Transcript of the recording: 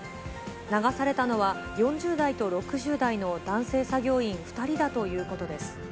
流されたのは、４０代と６０代の男性作業員２人だということです。